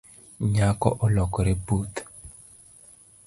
Nyako olokore puth